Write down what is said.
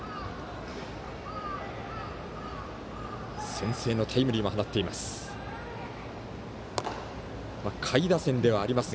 先制のタイムリーも放っています。